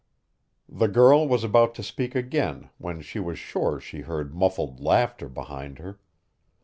The girl was about to speak again when she was sure she heard muffled laughter behind her.